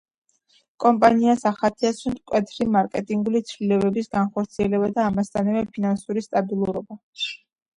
კომპანიას ახასიათებს მკვეთრი მარკეტინგული ცვლილებების განხორციელება და, ამასთანავე, ფინანსური სტაბილურობა.